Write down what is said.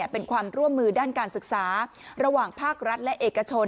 เป็นความร่วมมือด้านการศึกษาระหว่างภาครัฐและเอกชน